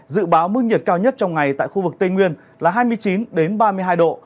dự báo mức nhiệt cao nhất trong ngày tại khu vực tây nguyên là hai mươi chín ba mươi hai độ